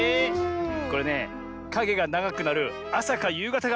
これねかげがながくなるあさかゆうがたがおすすめだぜ。